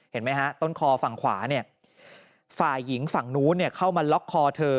เห็นไหมฮะต้นคอฝั่งขวาเนี่ยฝ่ายหญิงฝั่งนู้นเข้ามาล็อกคอเธอ